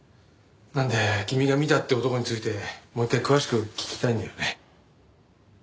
なので君が見たって男についてもう一回詳しく聞きたいんだよね。